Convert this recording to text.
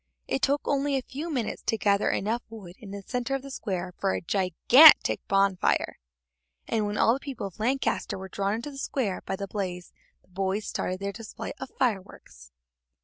It took only a few minutes to gather enough wood in the centre of the square for a gigantic bonfire, and when all the people of Lancaster were drawn into the square by the blaze, the boys started their display of fireworks.